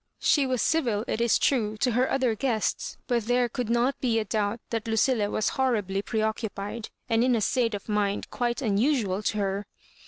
She was civil, it is true, to her other guests, but there could not be a doubt that Lucilla was hor ribly preoccupied, and in a state of mind quite unusual to her.